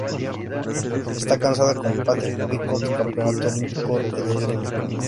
Está casada con Patrick Picot, campeón olímpico en esgrima.